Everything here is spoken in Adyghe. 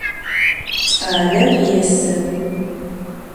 Ç'aler yêsı.